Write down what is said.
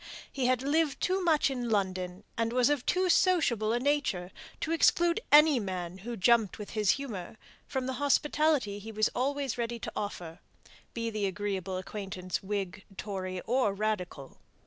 He had lived too much in London, and was of too sociable a nature, to exclude any man who jumped with his humour from the hospitality he was always ready to offer, be the agreeable acquaintance Whig, Tory, or Radical.